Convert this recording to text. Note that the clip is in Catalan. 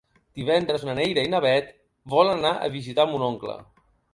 Divendres na Neida i na Bet volen anar a visitar mon oncle.